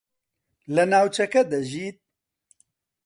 لە ناوچەکە دەژیت؟